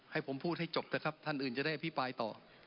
ให้ผมพูดให้จบเถอะครับท่านอื่นจะได้อภิปรายต่อ